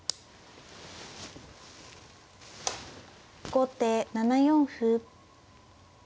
後手７四歩。